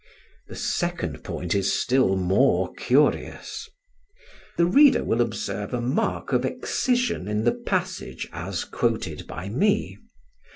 The second point is still more curious. The reader will observe a mark of excision in the passage as quoted by me.